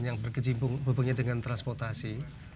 yang berhubungnya dengan transportasi